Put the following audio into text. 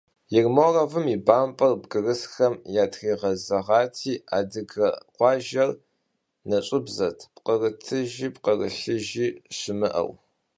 Ермоловым и бампӀэр бгырысхэм ятригъэзэгъати, адыгэ къуажэр нэщӀыбзэт, пкърытыжи пкърылъыжи щымыӀэу…